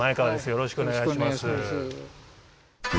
よろしくお願いします。